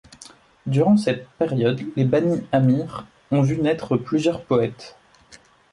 Durant cette période, les Bani 'Amir ont vu naître plusieurs poètes.